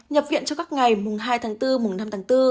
nhập viện cho các ngày mùng hai tháng bốn mùng năm tháng bốn